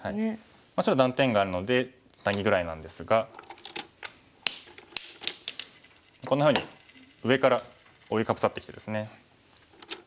白断点があるのでツナギぐらいなんですがこんなふうに上から覆いかぶさってきてですね。